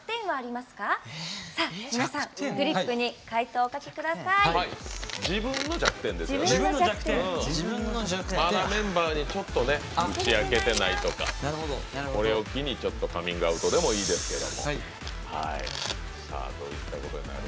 まだメンバーに、ちょっと打ち明けてないとかこれを機にカミングアウトでもいいですけど。